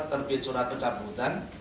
terbit surat pencabutan